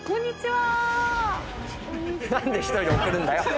何で１人で送るんだよ！